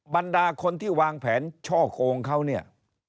บรรดาคนที่วางแผนช่อโกงเขาเนี่ย